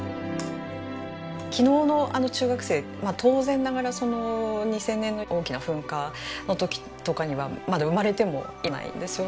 昨日のあの中学生当然ながらその２０００年の大きな噴火の時とかにはまだ生まれてもいないんですよね。